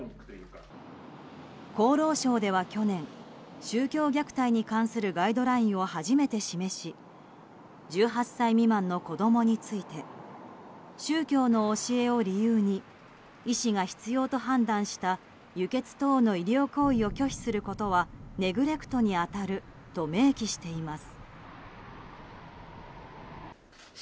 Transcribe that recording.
厚労省では去年宗教虐待に関するガイドラインを初めて示し１８歳未満の子供について宗教の教えを理由に医師が必要と判断した、輸血等の医療行為を拒否することはネグレクトに当たると明記しています。